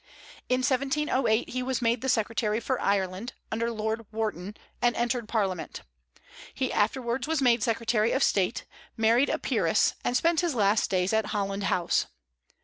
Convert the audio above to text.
In 1708 he was made secretary for Ireland, under Lord Wharton, and entered Parliament. He afterwards was made secretary of state, married a peeress, and spent his last days at Holland House.